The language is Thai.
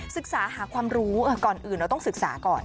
ศึกษาหาความรู้ก่อนอื่นเราต้องศึกษาก่อน